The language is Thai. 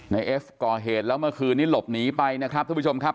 เอฟก่อเหตุแล้วเมื่อคืนนี้หลบหนีไปนะครับทุกผู้ชมครับ